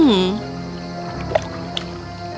lampu itu berlalu